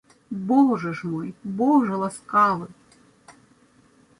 Божа ж мой, божа ласкавы!